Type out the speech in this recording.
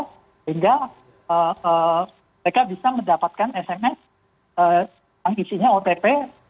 sehingga mereka bisa mendapatkan sms yang isinya otp